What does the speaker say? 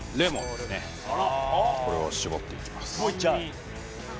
これを搾っていきます